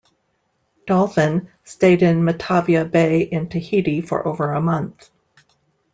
"Dolphin" stayed in Matavai Bay in Tahiti for over a month.